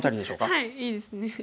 はいいいですね。